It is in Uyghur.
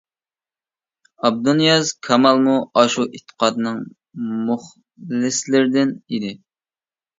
ئابدۇنىياز كامالمۇ ئاشۇ ئېتىقادنىڭ مۇخلىسلىرىدىن ئىدى.